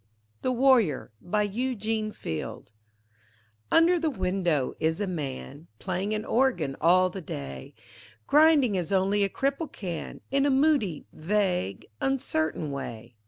THE WARRIOR BY EUGENE FIELD Under the window is a man, Playing an organ all the day, Grinding as only a cripple can, In a moody, vague, uncertain way.